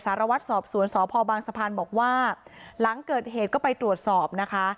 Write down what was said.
สารวัตรสอบสวนสพบางสะพานบอกว่าหลังเกิดเหตุก็ไปตรวจสอบนะคะ